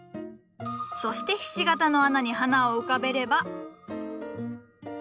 そしてひし形の穴に花を浮かべれば。